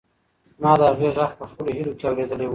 ما د هغې غږ په خپلو هیلو کې اورېدلی و.